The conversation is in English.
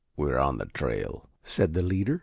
"We're on the trail," said the leader.